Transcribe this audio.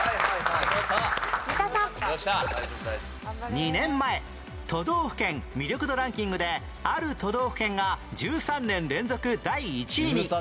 ２年前都道府県魅力度ランキングである都道府県が１３年連続第１位に